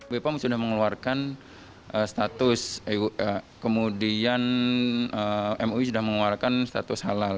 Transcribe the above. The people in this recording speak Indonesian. bepom sudah mengeluarkan status kemudian mui sudah mengeluarkan status halal